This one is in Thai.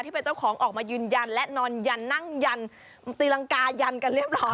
ที่เป็นเจ้าของออกมายืนยันและนอนยันนั่งยันตีรังกายันกันเรียบร้อย